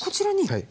はい。